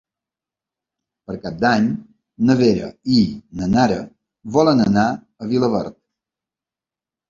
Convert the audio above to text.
Per Cap d'Any na Vera i na Nara volen anar a Vilaverd.